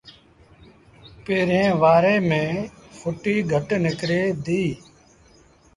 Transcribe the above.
پيريݩ وآري ميݩ ڦُٽيٚ گھٽ نڪري ديٚ